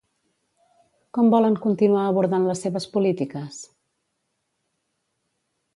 Com volen continuar abordant les seves polítiques?